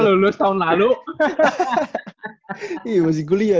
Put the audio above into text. coach kan sebelum asia all star juga kan coach